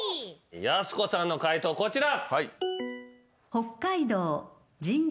やす子さんの解答こちら。